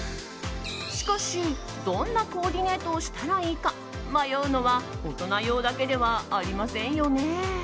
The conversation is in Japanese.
しかし、どんなコーディネートをしたらいいか迷うのは大人用だけではありませんよね。